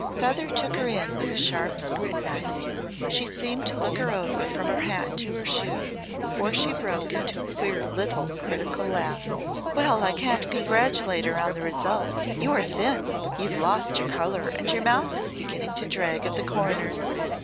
Feather took her in with a sharp scrutinising. She seemed to look her over from her hat to her shoes before she broke into her queer little critical laugh. "Well, I can't congratulate her on the result. You are thin. You've lost your colour and your mouth is beginning to drag at the corners."